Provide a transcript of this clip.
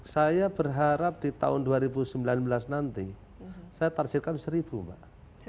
saya berharap di tahun dua ribu sembilan belas nanti saya targetkan seribu mbak